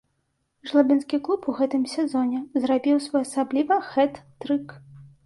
Жлобінскі клуб у гэтым сезоне зрабіў своеасабліва хэт-трык.